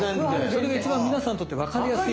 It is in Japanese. それが一番皆さんにとってわかりやすい。